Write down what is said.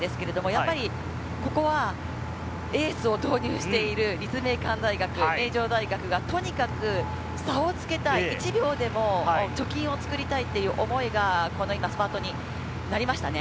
やっぱりここはエースを投入している立命館大学、名城大学が、とにかく差をつけたい、１秒でも貯金を作りたいという思いがこの今、スパートになりましたね。